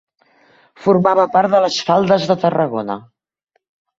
Formava part de les Faldes de Tarragona.